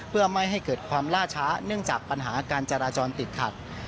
เพื่อไม่ให้เกิดความล่าช้าเนื่องจากปัญหาการจราจรติดขัด